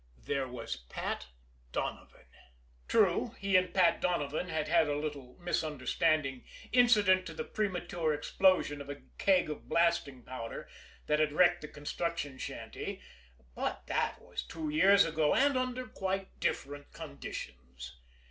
There was Pat Donovan! True, he and Pat Donovan had had a little misunderstanding incident to the premature explosion of a keg of blasting powder that had wrecked the construction shanty, but that was two years ago and under quite different conditions.